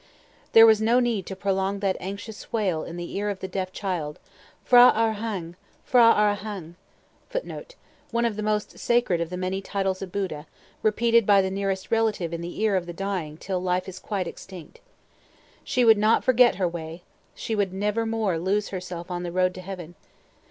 There was no need to prolong that anxious wail in the ear of the deaf child, "P'hra Arahang! P'hra Arahang!" [Footnote: One of the most sacred of the many titles of Buddha, repeated by the nearest relative in the ear of the dying till life is quite extinct.] She would not forget her way; she would nevermore lose herself on the road to Heaven.